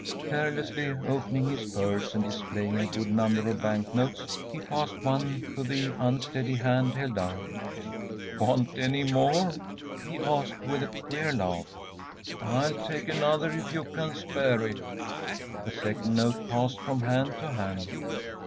‚ÄĚ Carelessly opening his purse, and displaying a good number of bank notes, he passed one to the unsteady hand held out. “Want any more?‚ÄĚ he asked, with a queer laugh. “I'll take another if you can spare it.‚ÄĚ A second note passed from hand to hand.